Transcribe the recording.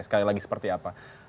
sekali lagi seperti apa